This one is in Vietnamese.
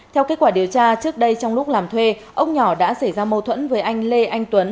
theo kết quả điều tra trước đây trong lúc làm thuê ông nhỏ đã xảy ra mâu thuẫn với anh lê anh tuấn